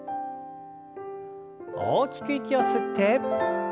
大きく息を吸って。